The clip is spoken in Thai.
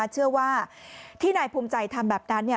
เชื่อว่าที่นายภูมิใจทำแบบนั้น